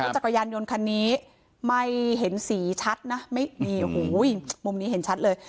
จักรยานยนต์คันนี้ไม่เห็นสีชัดนะไม่นี่โอ้โหมุมนี้เห็นชัดเลย